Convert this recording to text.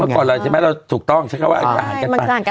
เมื่อก่อนเราใช่ไหมถูกต้องใช่เขาว่าอาหารกันตาย